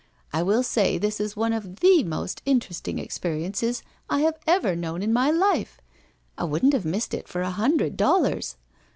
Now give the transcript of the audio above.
I will say this is one of the most interesting experiences I have ever known in tny life. I wouldn't have missed it for a hundred dollars.